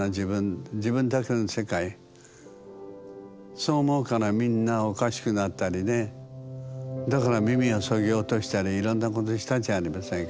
そう思うからみんなおかしくなったりねだから耳をそぎ落としたりいろんなことしたじゃありませんか。